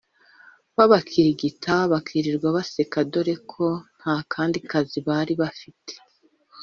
bakikirigita bakirirwa baseka dore ko ntakandi kazi baba bafite